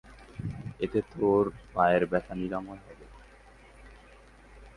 এতে তোর পায়ে ব্যথা নিরাময় হবে।